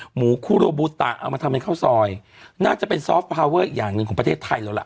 หมูคุโรบูตะเอามาทำเป็นข้าวซอยน่าจะเป็นอย่างหนึ่งของประเทศไทยแล้วล่ะ